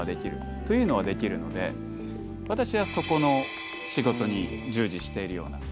というのはできるので私はそこの仕事に従事しているような感じです。